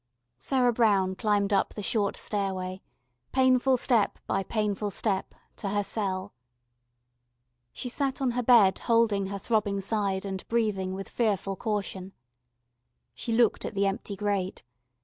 Sarah Brown climbed up the short stairway, painful step by painful step, to her cell. She sat on her bed holding her throbbing side, and breathing with fearful caution. She looked at the empty grate.